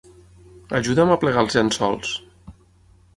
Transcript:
Ajuda'm a plegar els llençols.